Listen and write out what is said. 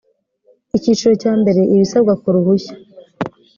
icyiciro cya mbere ibisabwa ku ruhushya